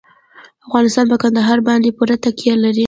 افغانستان په کندهار باندې پوره تکیه لري.